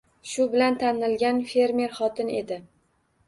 Shu bilan tanilgan fermer xotin edi.